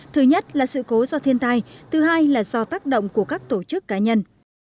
thứ nhất là sự cố do thiên tai thứ hai là do tác động của các tổ chức cá nhân